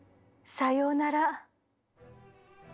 さようなら。